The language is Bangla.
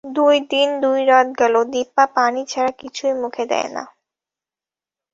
দুই দিন দুই রাত গেল, দিপা পানি ছাড়া কিছুই মুখে দেয় না।